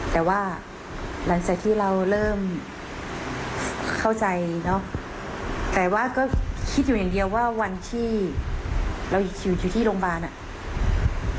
แต่ว่าหลังจากที่เราเริ่มเข้าใจเนอะแต่ว่าก็คิดอยู่อย่างเดียวว่าวันที่เราอยู่ที่โรงพยาบาลอ่ะ